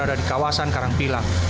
berada di kawasan karangpilang